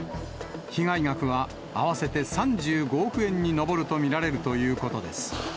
被害額は合わせて３５億円に上ると見られるということです。